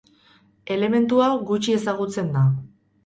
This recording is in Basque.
Elementu hau gutxi ezagutzen da.